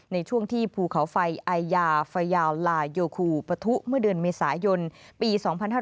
ในช่วงที่ภูเขาไฟไอยาไฟยาวลายโยคูปะทุเมื่อเดือนเมษายนปี๒๕๕๙